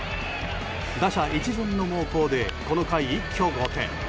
打者一巡の猛攻でこの回一挙５点。